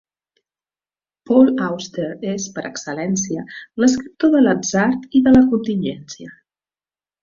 Paul Auster és, per excel·lència, l'escriptor de l'atzar i de la contingència.